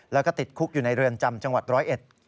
แล้วก็ติดคุกอยู่ในเรือนจำจังหวัดร้อยเอ็ด